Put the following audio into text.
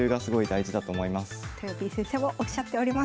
とよぴー先生もおっしゃっております。